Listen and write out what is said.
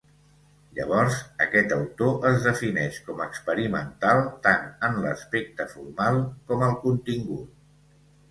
Llavors, aquest autor es defineix com experimental, tant en l'aspecte formal com al contingut.